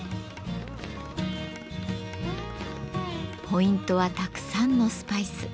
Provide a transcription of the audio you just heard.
ポイントはたくさんのスパイス。